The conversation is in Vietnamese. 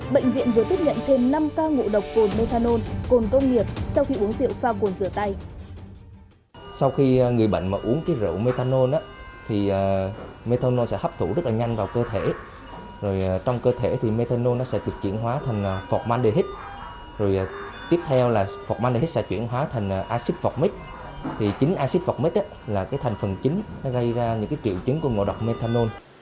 bệnh viện vừa tiếp nhận thêm năm ca ngộ độc cồn methanol cồn tôn nghiệp sau khi uống rượu pha cồn rửa tay